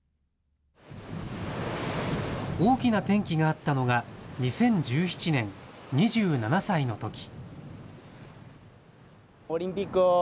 大きな転機があったのが２０１７年、２７歳のとき。